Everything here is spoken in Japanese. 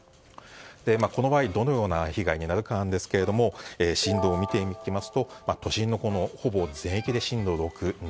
この場合どのような被害になるかですが震度を見ていきますと都心のほぼ全域で震度６，７。